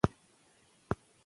دا اثر زموږ د فکر افق پراخوي.